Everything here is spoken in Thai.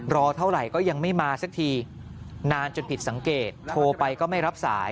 รอเท่าไหร่ก็ยังไม่มาสักทีนานจนผิดสังเกตโทรไปก็ไม่รับสาย